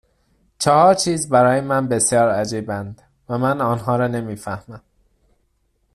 چهار چیز برای من بسیار عجیبند و من آنها را نمیفهمم